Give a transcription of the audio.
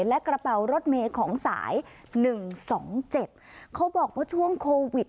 และกระเป๋ารถเมย์ของสายหนึ่งสองเจ็ดเขาบอกว่าช่วงโควิด